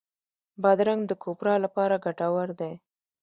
بادرنګ د کوپرا لپاره ګټور دی.